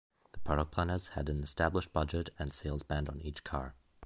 The product planners had an established budget and sales band on each car.